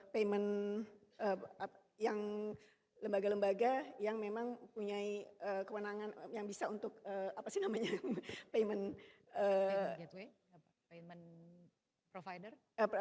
payment yang lembaga lembaga yang memang punya kewenangan yang bisa untuk apa sih namanya payment gateway payment provider